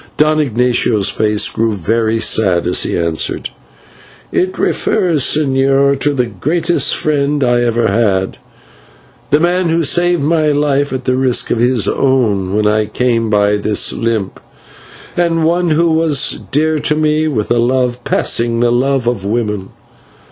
Don Ignatio's face grew very sad as he answered: "It refers, señor, to the greatest friend I ever had, the man who saved my life at the risk of his own when I came by this limp, and one who was dear to me with a love passing the love of woman.